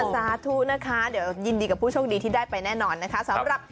อ๋อสาธุนะคะเดี๋ยวยินดีที่ได้ผู้โชคดีแน่นอนนะคะ